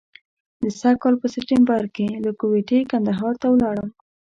د سږ کال په سپټمبر کې له کوټې کندهار ته ولاړم.